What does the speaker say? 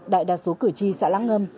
đại đa số cử tri sẽ lăng ngâm